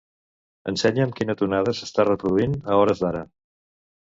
Ensenya'm quina tonada s'està reproduint a hores d'ara.